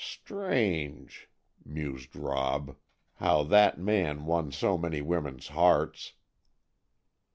"Strange," mused Rob, "how that man won so many women's hearts."